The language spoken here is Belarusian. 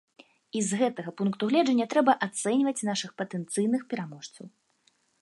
І з гэтага пункту гледжання трэба ацэньваць нашых патэнцыйных пераможцаў.